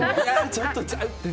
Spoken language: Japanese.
ちょっとちゃうって。